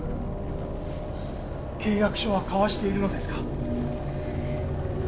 契約書は交わしているのですか？